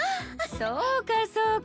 そうかそうか。